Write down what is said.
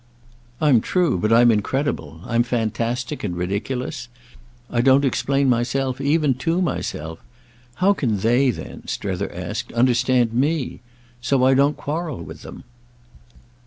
"I'm true, but I'm incredible. I'm fantastic and ridiculous—I don't explain myself even to myself. How can they then," Strether asked, "understand me? So I don't quarrel with them."